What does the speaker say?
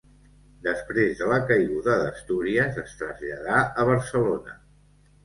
Després de la caiguda d'Astúries es traslladà a Barcelona.